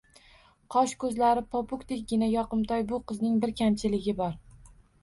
Qosh-ko`zlari popukdekkina, yoqimtoy bu qizning bir kamchiligi bor